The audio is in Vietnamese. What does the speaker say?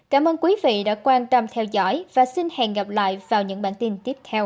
cảm ơn quý vị đã quan tâm theo dõi và xin hẹn gặp lại vào những bản tin tiếp theo